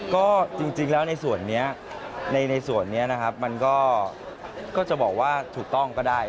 ก็จริงแล้วในส่วนนี้ในส่วนนี้นะครับมันก็จะบอกว่าถูกต้องก็ได้